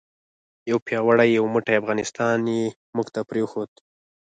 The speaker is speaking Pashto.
یو پیاوړی یو موټی افغانستان یې موږ ته پرېښود.